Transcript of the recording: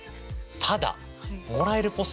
ただもらえるポスター